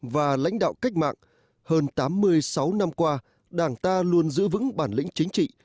và lãnh đạo cách mạng hơn tám mươi sáu năm qua đảng ta luôn giữ vững bản lĩnh chính trị